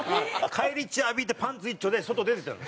返り血浴びてパンツ一丁で外出て行ったの。